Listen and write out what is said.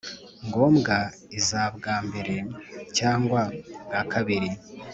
ngombwa iza bwa mbere cyangwa bwa kabiri